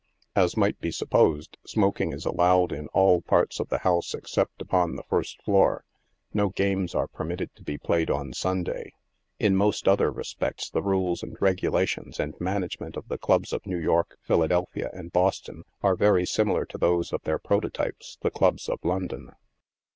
As might be supposed, smoking is allowed in all parts of the house except upon the first floor. No games are permitted to be played on Sunday. In most other respects the rules and regula tions and management of the clubs of Mew York, Philadelphia and Boston are very similar to those of their prototypes, the clubs of London."